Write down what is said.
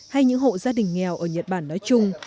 hay những hộ gia đình nghèo ở nhật bản nói chung